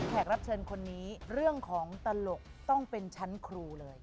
รับเชิญคนนี้เรื่องของตลกต้องเป็นชั้นครูเลย